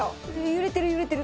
揺れてる揺れてる。